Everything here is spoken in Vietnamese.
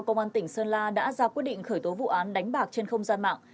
công an tỉnh sơn la đã ra quyết định khởi tố vụ án đánh bạc trên không gian mạng